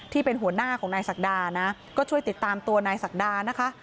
ที่เป็นหัวหน้าของนายศักดานะก็ช่วยติดตามตัวนายศักดานะคะ